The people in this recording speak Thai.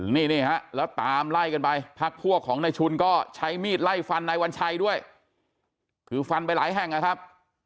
นี่ฮะแล้วตามไล่กันไปพักพวกของนายชุนก็ใช้มีดไล่ฟันนายวัญชัยด้วยคือฟันไปหลายแห่งนะครับ